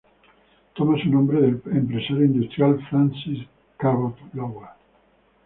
Toma su nombre del empresario e industrial, Francis Cabot Lowell.